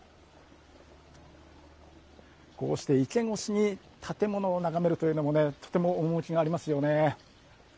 こうして池越しに建物を眺めるというのもとても趣がありますよね。